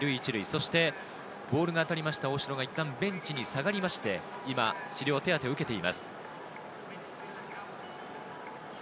そしてボールが当たりました大城がいったんベンチに下がりまして、今、治療、手当を受けています。